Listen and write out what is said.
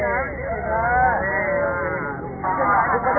วิธีนักศึกษาติธรรมชาติ